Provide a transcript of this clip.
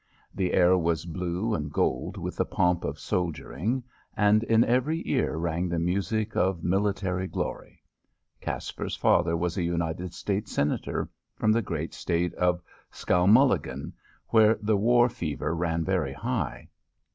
The air was blue and gold with the pomp of soldiering, and in every ear rang the music of military glory. Caspar's father was a United States Senator from the great State of Skowmulligan, where the war fever ran very high.